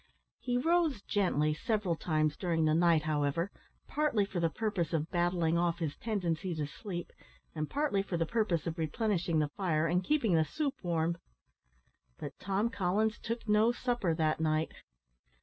He rose gently several times during the night, however, partly for the purpose of battling off his tendency to sleep, and partly for the purpose of replenishing the fire and keeping the soup warm. But Tom Collins took no supper that night.